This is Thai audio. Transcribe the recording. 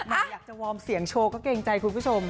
อยากจะวอร์มเสียงโชว์ก็เกรงใจคุณผู้ชม